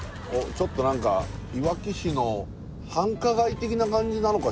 ちょっと何かいわき市の繁華街的な感じなのか